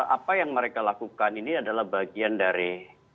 apa yang mereka lakukan ini adalah bagian dari